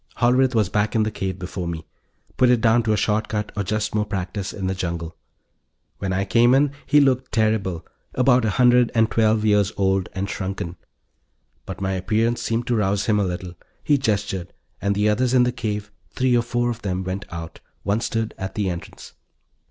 Hollerith was back to the cave before me. Put it down to a short cut, or just more practice in the jungle. When I came in he looked terrible, about a hundred and twelve years old and shrunken. But my appearance seemed to rouse him a little. He gestured and the others in the cave three or four of them went out. One stood at the entrance.